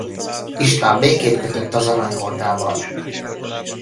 István békét kötött az Arany Hordával.